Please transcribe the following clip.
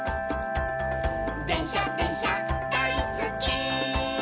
「でんしゃでんしゃだいすっき」